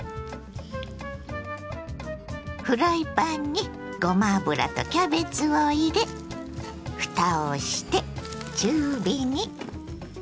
フライパンにごま油とキャベツを入れふたをして中火に。